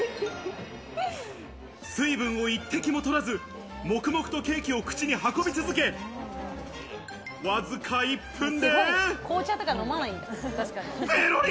水分を一滴も取らず、黙々とケーキを口に運び続け、わずか１分で、ペロリ！